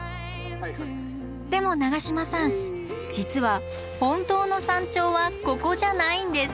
でも永島さん実は本当の山頂はここじゃないんです。